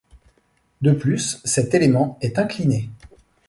De plus, cet élément est incliné.